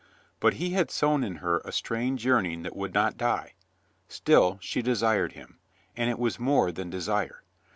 But he had sown in her a strange yearn ing that would not die. Still she desired him, and it was more than desire.